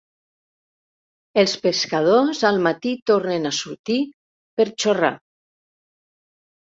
Els pescadors al matí tornen a sortir per xorrar.